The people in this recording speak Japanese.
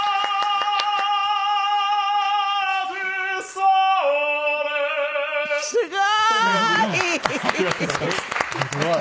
すごーい！